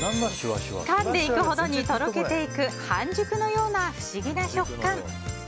かんでいくほどにとろけていく半熟のような不思議な食感。